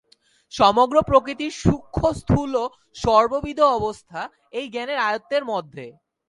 সমগ্র প্রকৃতির সূক্ষ্ম স্থূল সর্ববিধ অবস্থা এই জ্ঞানের আয়ত্তের মধ্যে।